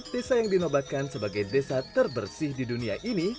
desa yang dinobatkan sebagai desa terbersih di dunia ini